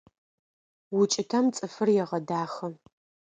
УкӀытэм цӀыфыр егъэдахэ.